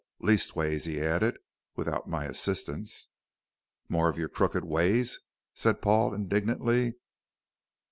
Leastways," he added, "without my assistance." "More of your crooked ways," said Paul, indignantly.